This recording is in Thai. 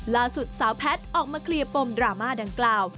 ล่าสุดสาวแพทย์ออกมาเคลียร์ปมดราม่าดังกล่าว